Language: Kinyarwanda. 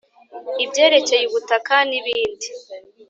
ibyerekeye ubutaka, n’ibindi